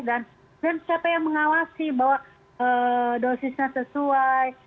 dan siapa yang mengawasi bahwa dosisnya sesuai